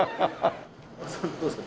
高田さんどうですか？